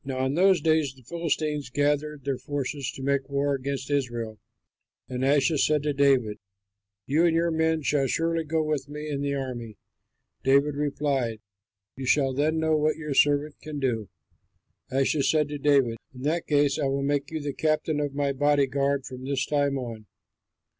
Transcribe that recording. Now in those days the Philistines gathered their forces to make war against Israel. And Achish said to David, "You and your men shall surely go with me in the army." David replied, "You shall then know what your servant can do." Achish said to David, "In that case I will make you the captain of my body guard from this time on."